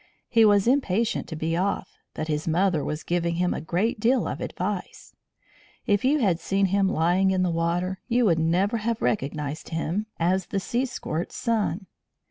He was impatient to be off, but his mother was giving him a great deal of advice. If you had seen him lying in the water you would never have recognised him as the sea squirt's son.